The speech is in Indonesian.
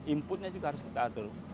inputnya juga harus kita atur